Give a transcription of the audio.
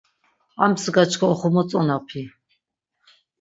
Armtsika çkva oxomotzonapi.